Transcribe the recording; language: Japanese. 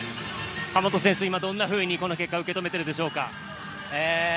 神本選手、今どんなふうにこの結果を受け止めているでしょうか？